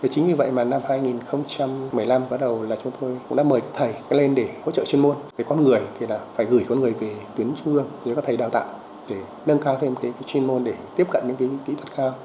chính vì vậy mà năm hai nghìn một mươi năm bắt đầu là chúng tôi cũng đã mời các thầy lên để hỗ trợ chuyên môn về con người thì là phải gửi con người về tuyến trung ương đến các thầy đào tạo để nâng cao thêm chuyên môn để tiếp cận những kỹ thuật cao